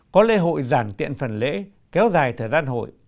có lễ hội giản tiện phần lễ kéo dài thời gian hội